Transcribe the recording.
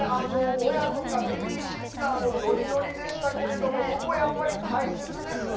親とかベビーシッターもノリノリでしたけれどもそこがやっぱり大切ですね。